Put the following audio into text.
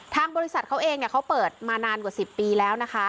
ทางบริษัทเขาเองเขาเปิดมานานกว่า๑๐ปีแล้วนะคะ